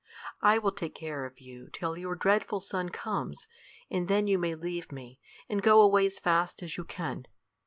"I will take care of you till your dreadful sun comes, and then you may leave me, and go away as fast as you can.